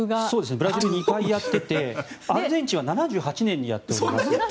ブラジルでは２回やっていてアルゼンチンは７８年にやっております。